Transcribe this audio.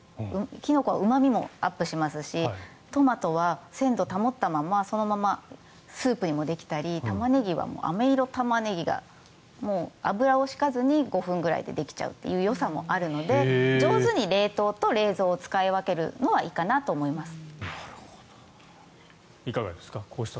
キノコはうま味もアップしますしトマトは鮮度を保ったままそのままスープにもできたりタマネギはアメ色タマネギが油を敷かずに５分ぐらいでできちゃうというよさもあるので上手に冷凍と冷蔵を使い分けるのはいいかなと思います。